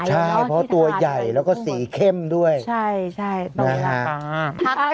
ใช่เพราะตัวใหญ่แล้วก็สีเข้มด้วยใช่ต่อไปแล้วค่ะมาค่ะ